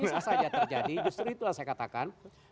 bisa saja terjadi justru itulah saya katakan